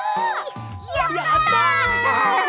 やった！